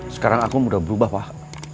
sekarang aku sudah berubah pak